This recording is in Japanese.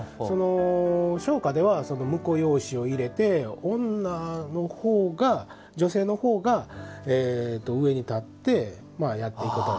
商家では婿養子を入れて女性のほうが上に立ってやっていくことが。